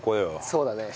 そうだね。